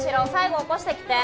悟起こしてきて。